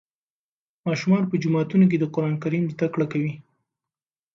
ماشومان په جوماتونو کې د قرآن کریم زده کړه کوي.